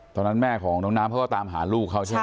ตอนนั้นแม่ของน้องน้ำเขาก็ตามหาลูกเขาใช่ไหม